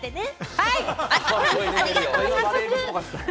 ありがとう、早速！